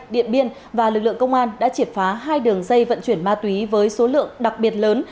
điện biên và lực lượng công an đã triệt phá hai đường dây vận chuyển ma túy với số lượng đặc biệt lớn